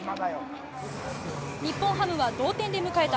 日本ハムは同点で迎えた